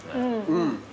うん。